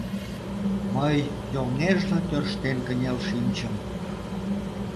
Мый йоҥежла тӧрштен кынел шинчым.